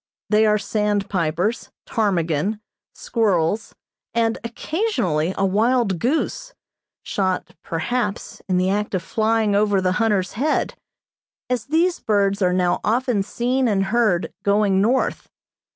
They are sand pipers, ptarmigan, squirrels, and occasionally a wild goose, shot, perhaps, in the act of flying over the hunter's head, as these birds are now often seen and heard going north.